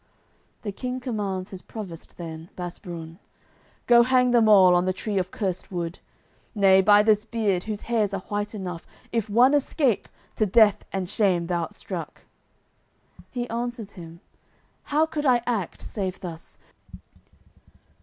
The King commands his provost then, Basbrun: "Go hang them all on th' tree of cursed wood! Nay, by this beard, whose hairs are white enough, If one escape, to death and shame thou'rt struck!" He answers him: "How could I act, save thus?"